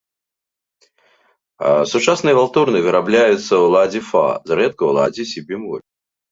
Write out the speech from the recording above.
Сучасныя валторны вырабляюцца ў ладзе фа, зрэдку ў ладзе сі-бемоль.